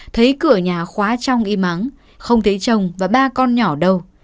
thấy cửa nhà khóa trong im áng không thấy chồng và ba con nhỏ đâu